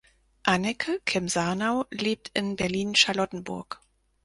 Anneke Kim Sarnau lebt in Berlin-Charlottenburg.